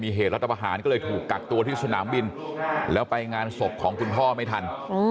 เหตุรัฐประหารก็เลยถูกกักตัวที่สนามบินแล้วไปงานศพของคุณพ่อไม่ทัน